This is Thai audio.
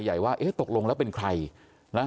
ว่าเอ๊ะตกลงแล้วเป็นใครนะ